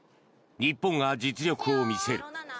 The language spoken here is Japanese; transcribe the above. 日本が実力を見せる。